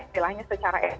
setelahnya secara ek